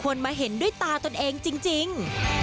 มาเห็นด้วยตาตนเองจริง